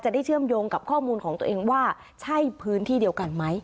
ได้เชื่อมโยงกับข้อมูลของตัวเองว่าใช่พื้นที่เดียวกันไหม